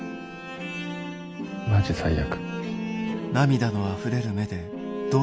マジ最悪。